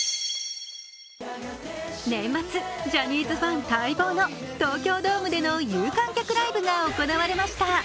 年末、ジャニーズファン待望の東京ドームでの有観客ライブが行われました。